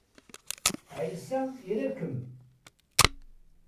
Ɛisa ira-kem.